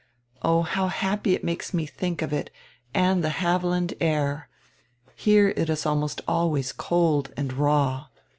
Oh, how happy it makes me to think of it and of the Havelland air! Here it is almost always cold and raw.